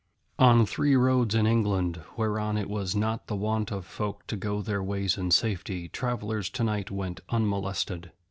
On three roads in England whereon it was not the wont of folk to go their ways in safety, travellers tonight went unmolested.